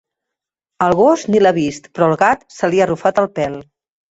El gos ni l'ha vist, però al gat se li ha arrufat el pèl.